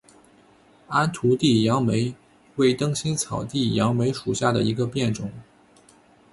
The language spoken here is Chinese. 安图地杨梅为灯心草科地杨梅属下的一个变种。